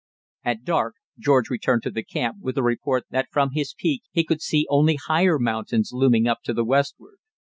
At dark George returned to camp with the report that from his peak he could see only higher mountains looming up to the westward.